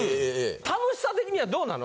楽しさ的にはどうなの？